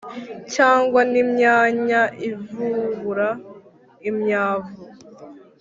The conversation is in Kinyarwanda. cyangwa n'i myanya ivubu ra imyavu,